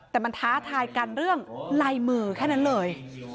แต่มันท้าทายกันเรื่องลายมือแค่นั้นเลย